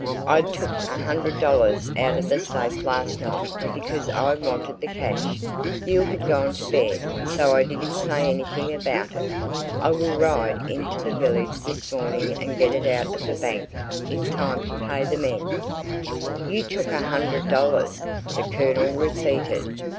I took a hundred dollars out of the safe last night because I wanted the cash you had gone to bed so I didn't say anything about it. I will ride into the village this morning and get it out of the bank in time to pay the men." "You took a hundred dollars," the Colonel repeated.